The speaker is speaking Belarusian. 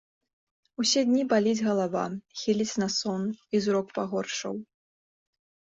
Усе дні баліць галава, хіліць на сон і зрок пагоршаў.